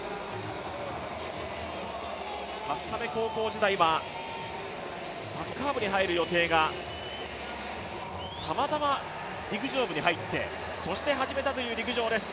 春日部高校時代はサッカー部に入る予定がたまたま陸上部に入って、そして始めたという陸上です。